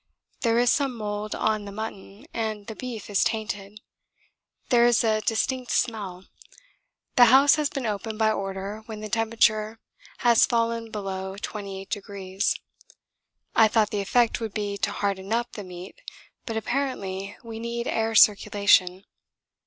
There is some mould on the mutton and the beef is tainted. There is a distinct smell. The house has been opened by order when the temperature has fallen below 28°. I thought the effect would be to 'harden up' the meat, but apparently we need air circulation.